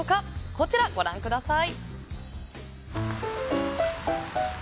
こちらをご覧ください。